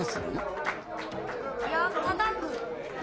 いやたたく。